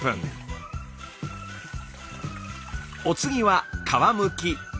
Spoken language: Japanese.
お次は皮むき。